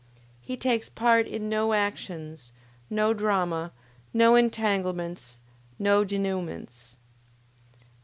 He takes part in no actions, no drama, no entanglements, no denouements.